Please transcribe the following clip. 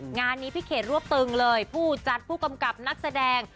งานนี้พี่เขตรวบตึงเลยผู้จัดผู้กำกับนักแสดง